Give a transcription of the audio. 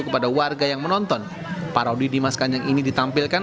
kepada warga yang menonton para wadid di dimas kanjeng ini ditampilkan